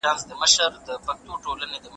طبيعي علوم د حقايقو په لټه کي وي.